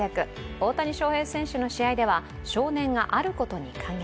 大谷翔平選手の試合では少年があることに感激。